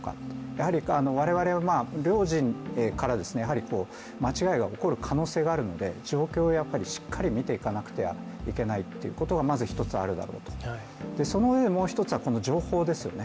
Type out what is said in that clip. やはり我々は両陣から間違いが起こる可能性があるので状況をしっかり見ていかなくてはいけないということがまず一つあるだろうとそのうえでもう一つは、情報ですよね